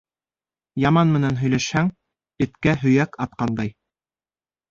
Яман менән һөйләшһәң, эткә һөйәк атҡандай.